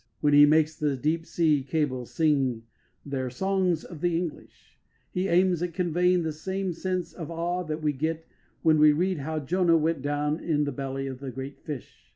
When he makes the deep sea cables sing their "song of the English," he aims at conveying the same sense of awe that we get when we read how Jonah went down in the belly of the great fish.